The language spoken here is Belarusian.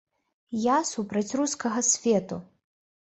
Я супраць рускага свету.